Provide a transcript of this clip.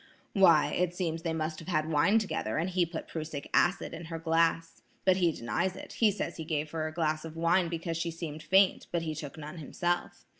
"Why, it seems they must have had wine together and he put prussic acid in her glass. But he denies it; says he gave her a glass of wine because she seemed faint, but he took none himself.